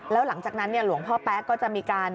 แล้วหลังจากนั้นหลวงพ่อแป๊ะก็จะมีการ